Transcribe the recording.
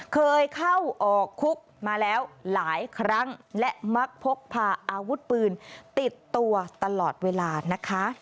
เคยเข้าออกคุกมาแล้วหลายครั้งและมักพกพาอาวุธปืนติดตัวตลอดเวลานะคะ